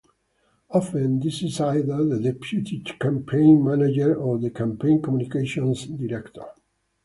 Often this is either the deputy campaign manager or the campaign communications director.